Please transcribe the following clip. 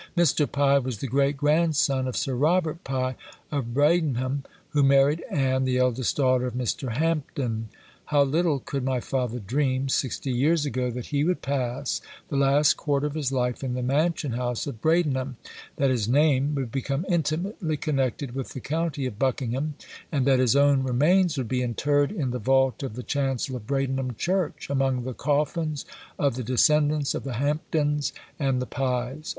Mr. Pye was the great grandson of Sir Robert Pye, of Bradenham, who married Anne, the eldest daughter of Mr. Hampden. How little could my father dream, sixty years ago, that he would pass the last quarter of his life in the mansion house of Bradenham; that his name would become intimately connected with the county of Buckingham; and that his own remains would be interred in the vault of the chancel of Bradenham Church, among the coffins of the descendants of the Hampdens and the Pyes.